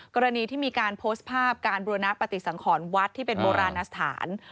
กรณีที่มีการโพสต์ภาพการบุรณปฏิสังขรวัดที่เป็นโบราณสถาน